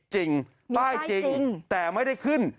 จริงป้ายจริงแต่ไม่ได้ขึ้น